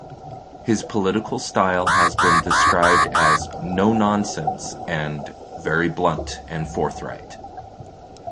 His political style has been described as "no-nonsense" and "very blunt and forthright".